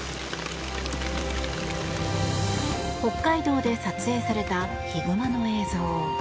北海道で撮影されたヒグマの映像。